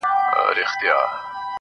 صفت زما مه كوه مړ به مي كړې.